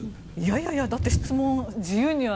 いやいや、だって質問自由には。